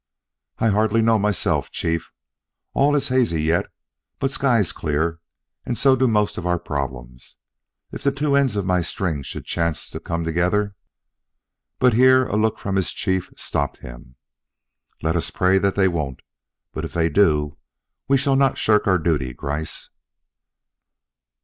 "I hardly know myself, Chief. All is hazy yet, but skies clear, and so do most of our problems. If the two ends of my string should chance to come together " But here a look from his Chief stopped him. "Let us pray that they won't. But if they do, we shall not shirk our duty, Gryce."